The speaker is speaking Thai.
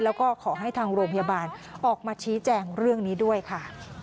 แล้วก็ขอให้ทางโรงพยาบาลออกมาชี้แจงเรื่องนี้ด้วยค่ะ